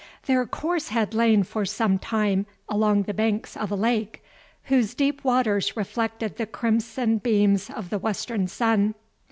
] Their course had lain for some time along the banks of a lake, whose deep waters reflected the crimson beams of the western sun.